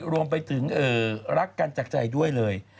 รวมไปถึงรักกันจากใจด้วยเลย